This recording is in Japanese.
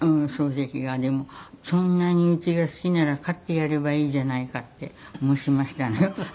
漱石が「そんなに家が好きなら飼ってやればいいじゃないか」って申しましたのよ。